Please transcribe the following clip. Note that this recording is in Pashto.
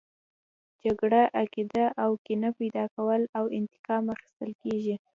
جګړه عقده او کینه پیدا کوي او انتقام اخیستل کیږي